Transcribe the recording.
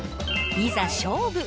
いざ勝負！